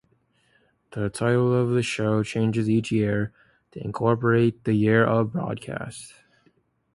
The title of the show changes each year to incorporate the year of broadcast.